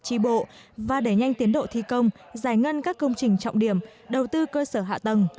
tri bộ và đẩy nhanh tiến độ thi công giải ngân các công trình trọng điểm đầu tư cơ sở hạ tầng